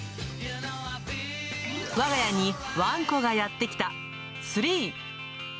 我が家にワンコがやってきた３。